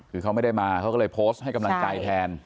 คือเขาไม่ได้มาเขาก็เลยโพสต์ให้กำลังใจแทน